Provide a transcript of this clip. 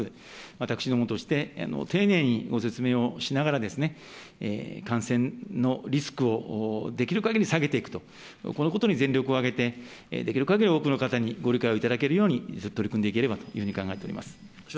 私どもとして、丁寧にご説明をしながら、感染のリスクをできるかぎり下げていくと、このことに全力を挙げて、できるかぎり多くの方にご理解を頂けるように、取り組んでいければというふうに考えております。